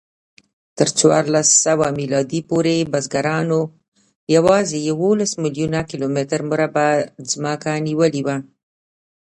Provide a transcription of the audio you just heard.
تر څوارلسسوه میلادي پورې بزګرانو یواځې یوولس میلیونه کیلومتره مربع ځمکه نیولې وه.